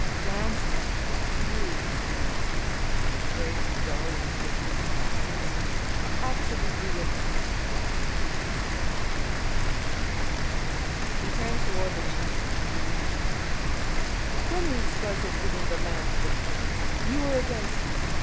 "Dan's tactics prove that the masses—the great, dull, indifferent masses—are absolutely with him!" (Titantic mirth.) He turned toward the chairman, dramatically. "When we spoke of giving the land to the peasants, you were against it.